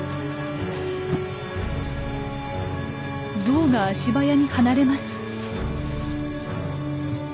ゾウが足早に離れます。